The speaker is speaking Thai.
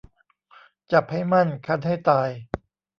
จับให้มั่นคั้นให้ตาย